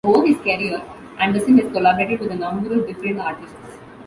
Over his career, Anderson has collaborated with a number of different artists.